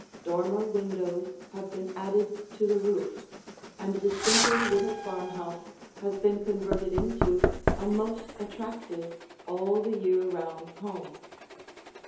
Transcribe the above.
Dormer windows have been added to the roof, and the simple little farmhouse has been converted into a most attractive all the year round home.